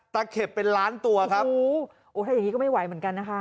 เข็บเป็นล้านตัวครับโอ้ถ้าอย่างนี้ก็ไม่ไหวเหมือนกันนะคะ